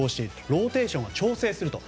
ローテーションは調整すると。